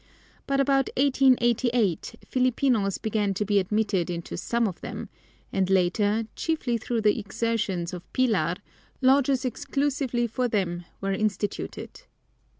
But about 1888 Filipinos began to be admitted into some of them, and later, chiefly through the exertions of Pilar, lodges exclusively for them were instituted.